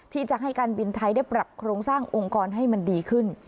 ที่จะให้การบินไทยได้ปรับโครงสร้างองค์กรให้มันดีขึ้น